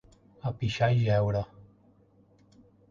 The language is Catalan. A pixar i jeure.